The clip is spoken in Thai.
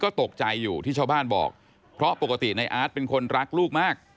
ตกใจอยู่ที่ชาวบ้านบอกเพราะปกติในอาร์ตเป็นคนรักลูกมาก